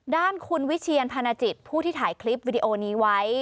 ด้านคุณวิเชียนพาณจิตผู้ที่ถ่ายคลิปวิดีโอนี้ไว้